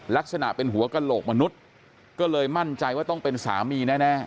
ลักษณะเป็นหัวกระโหลกมนุษย์ก็เลยมั่นใจว่าต้องเป็นสามีแน่